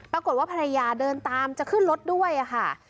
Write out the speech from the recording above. ปรากฏว่าภรรยาเดินตามจะขึ้นรถด้วยอะค่ะ